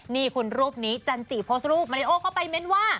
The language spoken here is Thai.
นี่คุณรูปนี้จันจิโพสต์รูปมาริโอเข้าไปเม้นว่า